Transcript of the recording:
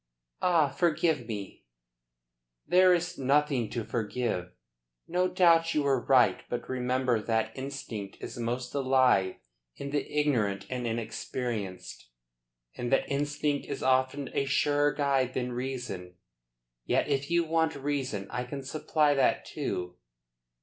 "Ah, forgive me." "There is nothing to forgive. No doubt you were right. But remember that instinct is most alive in the ignorant and inexperienced, and that instinct is often a surer guide than reason. Yet if you want reason, I can supply that too.